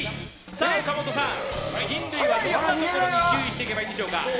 岡本さん、人類はどんなところに注意していけばいいですか？